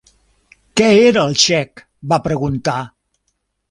"Què era el xec?" va preguntar.